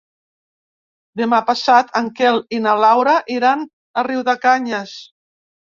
Demà passat en Quel i na Laura iran a Riudecanyes.